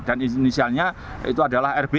dan inisialnya itu adalah rbs